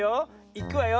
いくわよ。